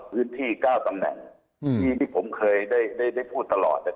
พื้นที่๙ตำแหน่งที่ที่ผมเคยได้พูดตลอด